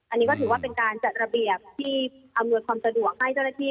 อันนี้ก็ถือว่าเป็นการจัดระเบียบที่อำนวยความสะดวกให้เจ้าหน้าที่